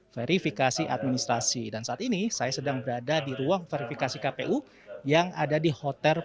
verifikasi administrasi dan saat ini saya sedang berada di ruang verifikasi kpu yang ada di hotel